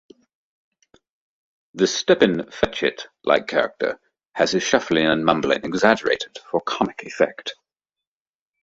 The Stepin Fetchit-like character has his shuffling and mumbling exaggerated for comic effect.